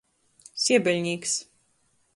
Siebeļnīks.